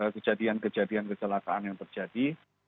kejadian kejadian kecelakaan yang terjadi